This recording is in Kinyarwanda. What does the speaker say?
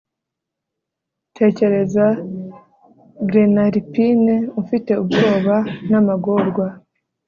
Tekereza GlenAlpine ufite ubwoba namagorwa